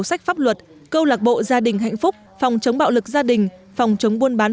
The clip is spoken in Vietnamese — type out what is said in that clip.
sách pháp luật câu lạc bộ gia đình hạnh phúc phòng chống bạo lực gia đình phòng chống buôn bán